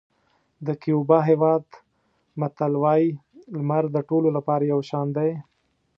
د کیوبا هېواد متل وایي لمر د ټولو لپاره یو شان دی.